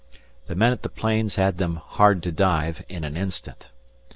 The men at the planes had them "hard to dive" in an instant.